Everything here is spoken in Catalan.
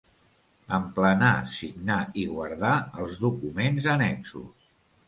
Emplenar, signar i guardar els documents annexos.